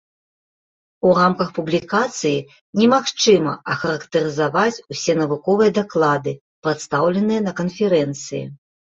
У рамках публікацыі немагчыма ахарактарызаваць усе навуковыя даклады, прадстаўленыя на канферэнцыі.